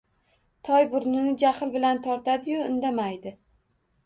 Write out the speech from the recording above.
Toy burnini jahl bilan tortadi-yu, indamaydi.